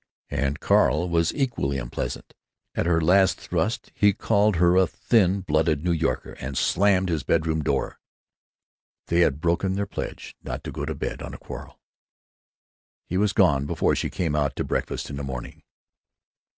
And Carl was equally unpleasant. At her last thrust he called her a thin blooded New Yorker and slammed his bedroom door. They had broken their pledge not to go to bed on a quarrel. He was gone before she came out to breakfast in the morning.